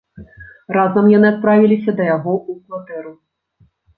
Разам яны адправіліся да яго ў кватэру.